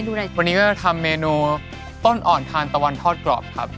วันนี้ก็ทำเมนูต้นอ่อนทานตะวันทอดกรอบครับ